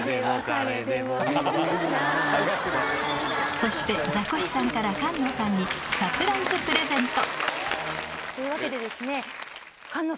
そしてザコシさんから菅野さんにサプライズプレゼントというわけでですね。